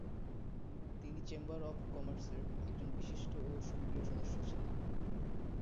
তিনি chamber of কমার্সেরও একজন বিশিষ্ট ও সক্রিয় সদস্য ছিলেন।